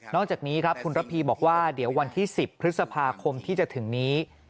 จากนี้ครับคุณระพีบอกว่าเดี๋ยววันที่๑๐พฤษภาคมที่จะถึงนี้